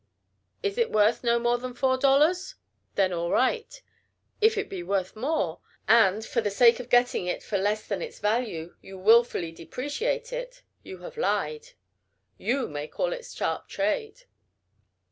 Is it worth no more than four dollars? Then all right. If it be worth more, and, for the sake of getting it for less than its value, you wilfully depreciate it, you have lied. You may call it a sharp trade.